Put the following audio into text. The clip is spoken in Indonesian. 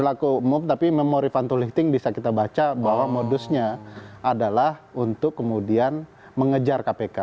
pelaku umum tapi memori fantolifting bisa kita baca bahwa modusnya adalah untuk kemudian mengejar kpk